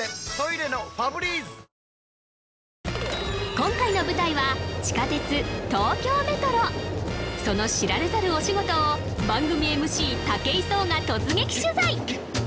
今回の舞台は地下鉄東京メトロその知られざるお仕事を番組ＭＣ武井壮が突撃取材！